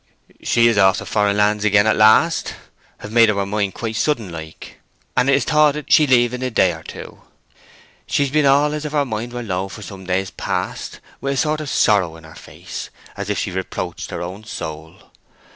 "She is off to foreign lands again at last—hev made up her mind quite sudden like—and it is thoughted she'll leave in a day or two. She's been all as if her mind were low for some days past—with a sort of sorrow in her face, as if she reproached her own soul.